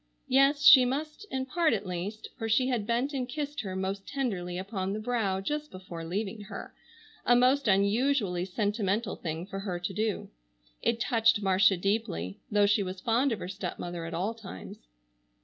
Yes, she must, in part at least, for she had bent and kissed her most tenderly upon the brow just before leaving her, a most unusually sentimental thing for her to do. It touched Marcia deeply, though she was fond of her stepmother at all times.